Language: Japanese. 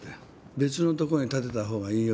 「別のとこに建てた方がいいよ」